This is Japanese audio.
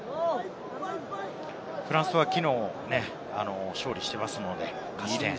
フランスはきのう勝利していますので。